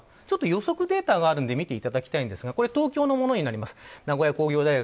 予測データがあるので見ていただきたいんですがこれは東京のものです。